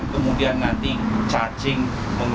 kemudian nanti kita akan mencari jalan yang lebih jauh dari situ